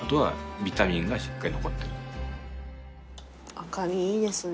赤身いいですね。